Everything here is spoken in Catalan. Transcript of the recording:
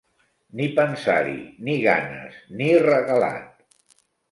Ni pensar-hi! Ni ganes! Ni regalat!